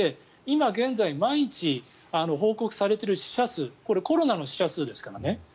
今現在、毎日、報告されている死者数これはコロナの死者数ですからね。